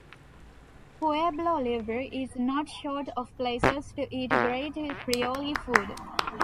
Pueblo Libre is not short of places to eat great Creole food.